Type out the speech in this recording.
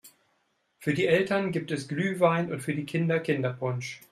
Für die Eltern gibt es Glühwein und für die Kinder Kinderpunsch.